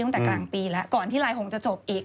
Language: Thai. ตั้งแต่กลางปีแล้วก่อนที่ไลน์หงษ์จะจบอีก